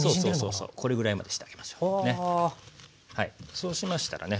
そうしましたらね